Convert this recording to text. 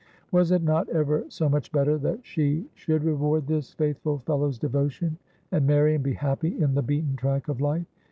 Was it not ever so much better that she should reward this faithful fellow's devotion, and marry, and be happy in the beaten track of life